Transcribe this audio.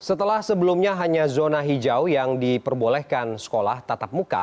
setelah sebelumnya hanya zona hijau yang diperbolehkan sekolah tatap muka